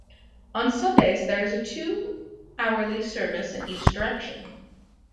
On Sundays, there is a two-hourly service in each direction.